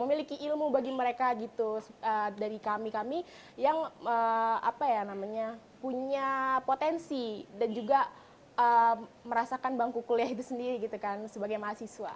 memiliki ilmu bagi mereka gitu dari kami kami yang punya potensi dan juga merasakan bangku kuliah itu sendiri gitu kan sebagai mahasiswa